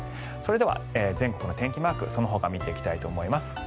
それでは全国の天気マークそのほか見ていきたいと思います